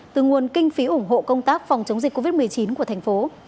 từ nguồn kinh phí ủng hộ công tác phòng chống dịch covid một mươi chín của thành phố